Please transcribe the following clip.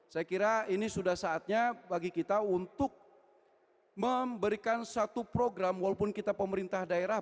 saya kira ini sudah saatnya bagi kita untuk memberikan satu program walaupun kita pemerintah daerah